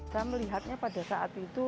saya melihatnya pada saat itu